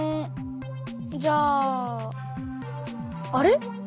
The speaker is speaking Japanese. じゃああれ？